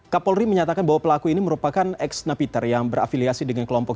kapolri menyatakan bahwa pelaku ini merupakan ex napiter yang berafiliasi dengan kelompok